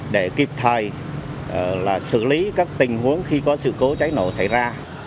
để kịp thời xử lý các tình huống khi có sự cố cháy nổ xảy ra